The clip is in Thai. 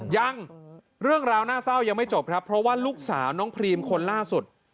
ยังเรื่องราวน่าเศร้ายังไม่จบครับเพราะว่าลูกสาวน้องพรีมคนล่าสุด